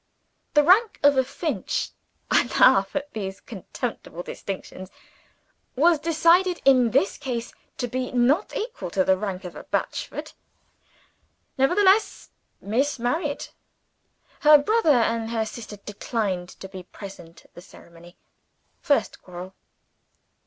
The rank of a Finch (I laugh at these contemptible distinctions!) was decided, in this case, to be not equal to the rank of a Batchford. Nevertheless, Miss married. Her brother and sister declined to be present at the ceremony. First quarrel.